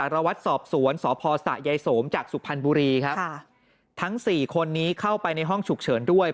รถเก่งสีดำขับมาจอดเทียบ